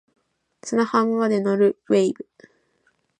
砂浜まで乗る wave